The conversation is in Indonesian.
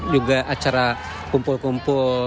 juga acara kumpul kumpul